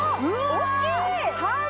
大きい！